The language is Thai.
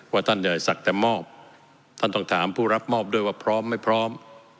ว่าท่านเดี๋ยวจะสักแต่มอบท่านต้องถามผู้รับมอบด้วยว่าพร้อมไม่พร้อม